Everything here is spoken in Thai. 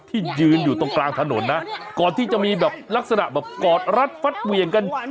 ยืนอยู่ตรงกลางถนนนะก่อนที่จะมีแบบลักษณะแบบกอดรัดฟัดเหวี่ยงกัน